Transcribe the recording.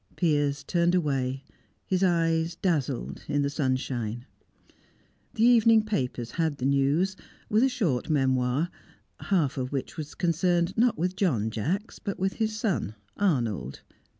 Piers turned away. His eyes dazzled in the sunshine. The evening papers had the news, with a short memoir half of which was concerned not with John Jacks, but with his son Arnold.